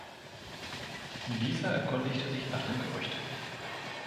Dieser erkundigte sich nach dem 'Gerücht'.